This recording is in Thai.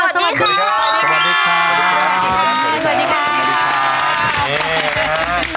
สวัสดีค่ะ